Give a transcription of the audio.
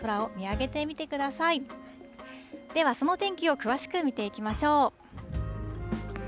その天気を詳しく見ていきましょう。